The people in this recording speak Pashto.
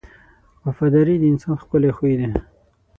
• وفاداري د انسان ښکلی خوی دی.